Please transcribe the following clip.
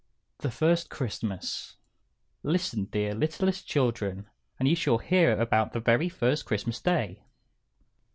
The First Christmas Listen, dear littlest children, and you shall hear about the very first Christmas Day.